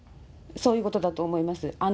そういうことだと思います。